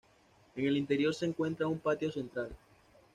En el interior se encuentra un patio central.